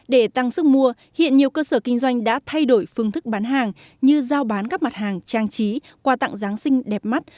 để tăng sức mua hiện nhiều cơ sở kinh doanh đã thay đổi phương thức bán hàng như giao bán các mặt hàng trang trí qua tặng giáng sinh đẹp mắt